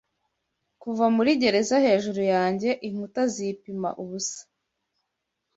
Kuva muri gereza hejuru yanjye inkuta zipima ubusa